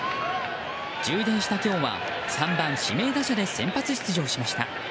充電した今日は３番指名打者で先発出場しました。